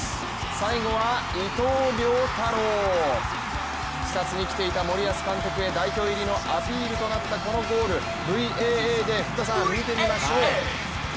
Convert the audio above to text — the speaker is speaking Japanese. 最後は伊藤涼太郎、視察に来ていた森保監督へ代表入りのアピールとなったこのゴール、ＶＡＡで福田さん、見てみましょう。